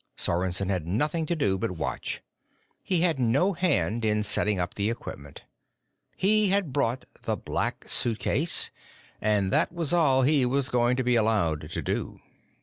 Sorensen had nothing to do but watch. He had no hand in setting up the equipment. He had brought the Black Suitcase, and that was all he was going to be allowed to do.